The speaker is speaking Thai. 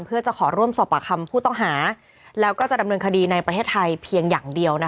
เพื่อจะขอร่วมสอบปากคำผู้ต้องหาแล้วก็จะดำเนินคดีในประเทศไทยเพียงอย่างเดียว